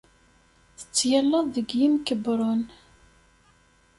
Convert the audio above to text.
Tettgallaḍ deg yimkebbren.